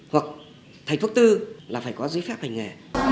hoặc thầy thuốc tư là phải có giới phép hành nghề